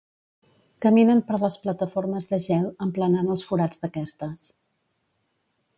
Caminen per les plataformes de gel, emplenant els forats d'aquestes.